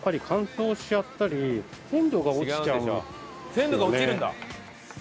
鮮度が落ちるんだ！